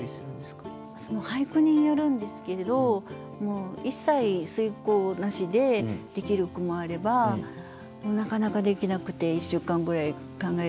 俳句によるんですけれどもう一切推敲なしでできる句もあればなかなかできなくて１週間ぐらい考えることもあります。